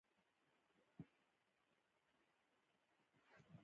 د احمد نوره بېډۍ ميره ده.